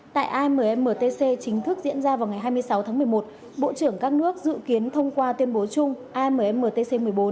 tại ammtc chính thức diễn ra vào ngày hai mươi sáu tháng một mươi một bộ trưởng các nước dự kiến thông qua tuyên bố chung ammtc một mươi bốn